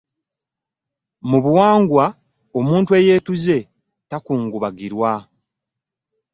Mu buwangwa omuntu eyeetuze takungubagirwa.